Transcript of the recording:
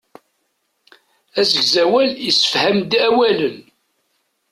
Asegzawal issefham-d awalen.